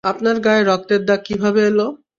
আপনার গায়ে রক্তের দাগ কিভাবে এলো?